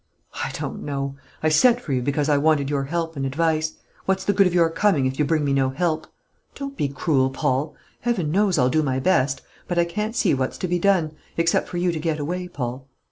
"I don't know. I sent for you because I wanted your help and advice. What's the good of your coming if you bring me no help?" "Don't be cruel, Paul. Heaven knows, I'll do my best. But I can't see what's to be done except for you to get away, Paul.